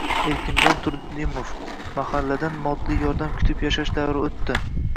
Erkinjon Turdimov: “Mahalladan moddiy yordam kutib yashash davri o‘tdi”